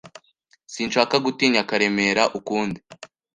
Sinshaka gutinya Karemera ukundi.